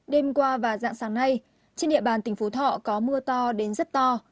đêm qua và dạng sáng nay trên địa bàn tỉnh phú thọ có mưa to đến rất to